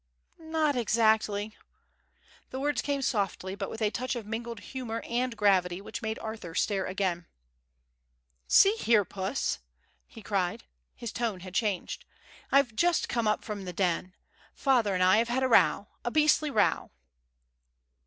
"Not exactly." The words came softly but with a touch of mingled humour and gravity which made Arthur stare again. "See here, Puss!" he cried. His tone had changed. "I've just come up from the den. Father and I have had a row a beastly row."